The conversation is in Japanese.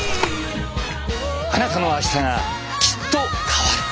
あなたの明日がきっと変わる。